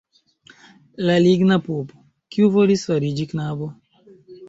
La ligna pupo, kiu volis fariĝi knabo?